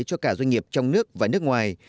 cho cả doanh nghiệp trong nước và nước ngoài